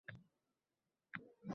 Sariosiyoda xavfli guruh aniqlandi